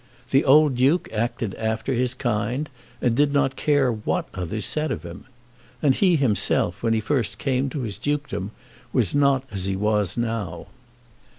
The old Duke acted after his kind, and did not care what others said of him. And he himself, when he first came to his dukedom, was not as he was now.